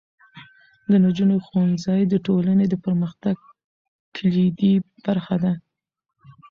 د نجونو ښوونځی د ټولنې د پرمختګ کلیدي برخه ده.